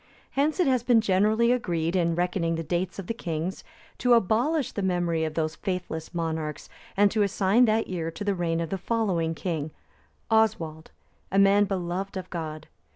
Hence it has been generally agreed, in reckoning the dates of the kings, to abolish the memory of those faithless monarchs, and to assign that year to the reign of the following king, Oswald, a man beloved of God.